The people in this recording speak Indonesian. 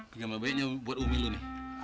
yang paling baiknya buat umi lu nih